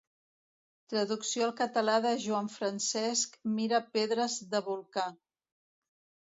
Traducció al català de Joan-Francesc Mira Pedres de volcà.